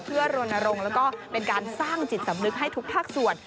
เพื่อรณรงค์แล้วก็เป็นการสร้างจิตสำนึกให้ทุกภาคส่วน